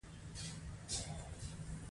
یا یې لږ اندازه په ځان مصرفوي